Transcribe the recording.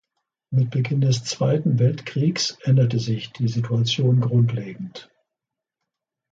Mit Beginn des Zweiten Weltkriegs änderte sich die Situation grundlegend.